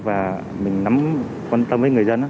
và mình nắm quan tâm với người dân